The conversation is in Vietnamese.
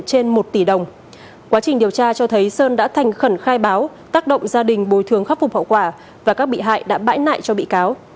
trên một tỷ đồng quá trình điều tra cho thấy sơn đã thành khẩn khai báo tác động gia đình bồi thường khắc phục hậu quả và các bị hại đã bãi lại cho bị cáo